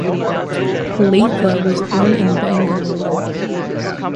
Latha was born in Bangalore.